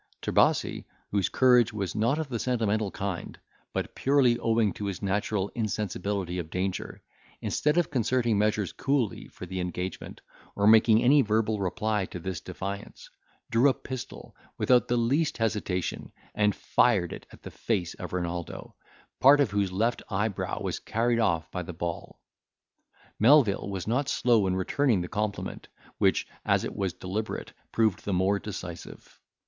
Trebasi, whose courage was not of the sentimental kind, but purely owing to his natural insensibility of danger, instead of concerting measures coolly for the engagement, or making any verbal reply to this defiance, drew a pistol, without the least hesitation, and fired it at the face of Renaldo, part of whose left eyebrow was carried off by the ball. Melvil was not slow in returning the compliment, which, as it was deliberate, proved the more decisive.